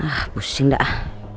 ah pusing dah